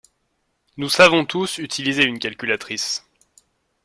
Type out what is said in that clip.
Nous savons tous utiliser une calculatrice.